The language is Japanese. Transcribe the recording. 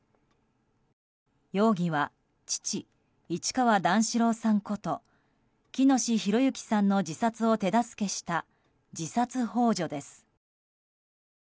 容疑は、父・市川段四郎さんこと喜熨斗弘之さんの自殺を手助けした、自殺幇助です。